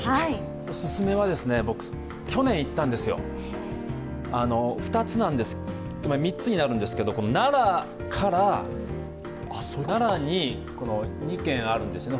オススメは、去年行ったんですよ、３つになるんですけど、奈良に２件あるんですよね。